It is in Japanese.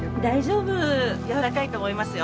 柔らかいと思いますよ。